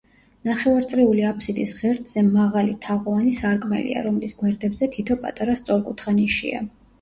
ნახევარწრიული აფსიდის ღერძზე მაღალი თაღოვანი სარკმელია, რომლის გვერდებზე თითო პატარა სწორკუთხა ნიშია.